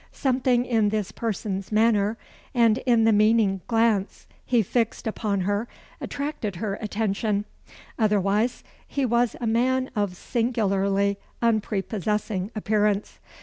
Something in this person's manner, and in the meaning glance he fixed upon her attracted her attention; otherwise, he was a man of singularly unprepossessing appearance.